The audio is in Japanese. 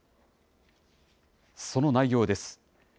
その内容です。